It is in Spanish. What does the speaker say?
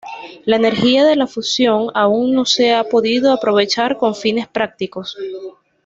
La energía de la fusión aún no se ha podido aprovechar con fines prácticos.